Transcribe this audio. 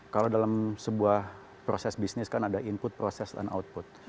kalau dalam sebuah proses bisnis kan ada input proses dan output